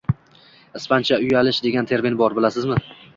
«Ispancha uyalish» degan termin bor, bilasizmi?